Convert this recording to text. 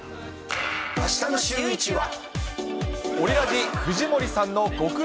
あしたのシューイチは。